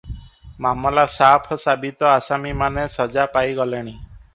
ମାମଲା ସାଫ ସାବିତ ଆସାମୀମାନେ ସଜା ପାଇ ଗଲେଣି ।